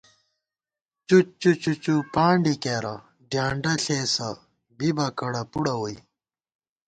چُچّو چُچّوپانڈی کېرہ، ڈیانڈہ ݪېسہ، بِبہ کڑہ پُڑہ ووئی